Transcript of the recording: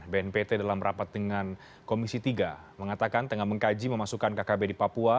bnpt dalam rapat dengan komisi tiga mengatakan tengah mengkaji memasukkan kkb di papua